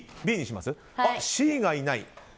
Ｃがいない。